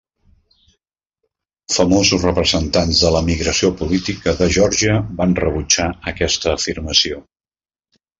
Famosos representants de l'emigració política de Geòrgia van rebutjar aquesta afirmació.